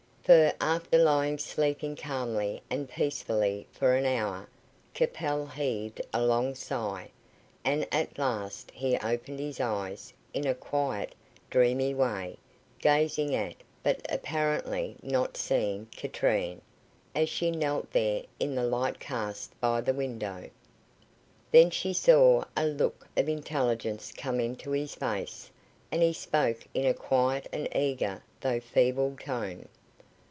For, after lying sleeping calmly and peacefully for an hour, Capel heaved a long sigh, and at last he opened his eyes, in a quiet, dreamy way, gazing at, but apparently not seeing, Katrine, as she knelt there in the light cast by the window. Then she saw a look of intelligence come into his face, and he spoke in a quiet and eager, though feeble tone.